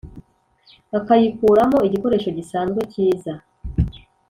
akayikuramo igikoresho gisanzwe cyiza